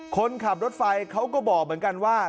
คนขับรถไฟเขาก็บอกเหมือนกันว่า